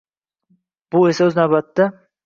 Bu esa, o‘z navbatida